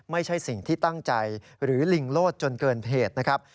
ไม่ใช่สิ่งที่ตั้งใจหรือลิงโลดจนเกินเหตุนะครับ